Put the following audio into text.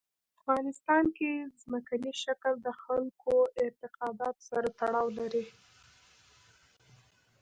په افغانستان کې ځمکنی شکل د خلکو اعتقاداتو سره تړاو لري.